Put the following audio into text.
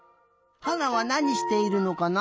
花はなにしているのかな？